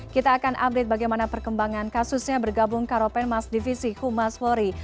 kita akan update bagaimana perkembangan kasusnya bergabung karopenmas divisi humas polri